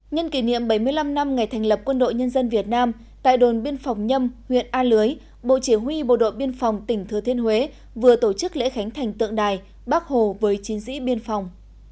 nhân kỷ niệm bảy mươi năm năm ngày thành lập quân đội nhân dân việt nam tại đồn biên phòng nhâm huyện a lưới bộ chỉ huy bộ đội biên phòng tỉnh thừa thiên huế vừa tổ chức lễ khánh thành tượng đài bác hồ với chiến sĩ biên phòng